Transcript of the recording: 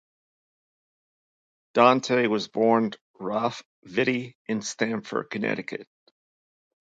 Dante was born Ralph Vitti in Stamford, Connecticut.